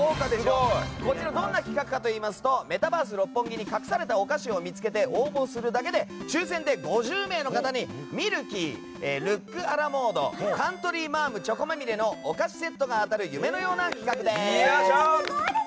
どんな企画かといいますとメタバース六本木に隠されたお菓子を見つけて応募するだけで抽選で５０名の方にルックカントリーマアムチョコまみれのお菓子セットが当たる夢のような企画です。